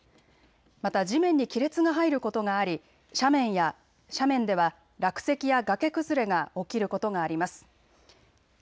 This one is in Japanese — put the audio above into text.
また地面に亀裂が入ることがあり斜面では落石や崖崩れが起きることがあります。